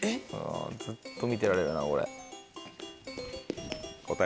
ずっと見てられるなこれ。